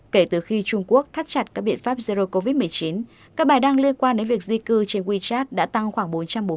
kể từ khi trung quốc thắt chặt các biện pháp zero covid một mươi chín các bài đăng liên quan đến việc di cư trên wechat đã tăng khoảng bốn trăm bốn mươi